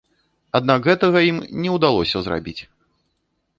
Аднак гэтага ім не ўдалося зрабіць.